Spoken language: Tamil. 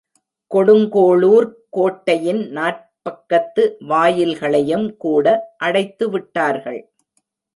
கொடுங்கோளுர்க் கோட்டையின் நாற்பக்கத்து வாயில்களையும் கூட அடைத்துவிட்டார்கள்.